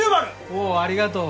おうありがとう。